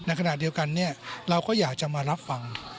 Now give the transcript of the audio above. ในขณะเดียวกันเราก็อยากจะมารับฟัง